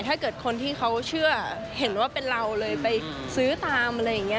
ถ้าเกิดคนที่เขาเชื่อเห็นว่าเป็นเราเลยไปซื้อตามอะไรอย่างนี้